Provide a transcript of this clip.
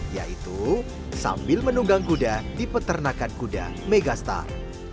yaitu sambil menunggang kuda di peternakan kuda megastar